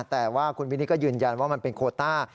แต่ว่าคุณวินิตก็ยืนยันว่ามันเป็นโคต้า